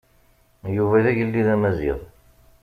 Yuba d agellid Amaziɣ.